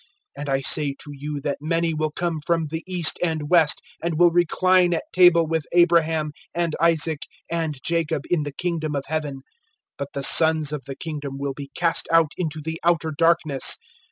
(11)And I say to you, that many will come from the east and west, and will recline at table, with Abraham, and Isaac, and Jacob, in the kingdom of heaven; (12)but the sons of the kingdom will be cast out into the outer darkness.